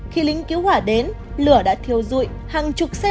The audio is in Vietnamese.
khi lính cứu hỏa đến lửa đã thiêu dụi